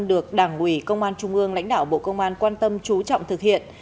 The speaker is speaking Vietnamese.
được đảng ủy công an trung ương lãnh đạo bộ công an quan tâm trú trọng thực hiện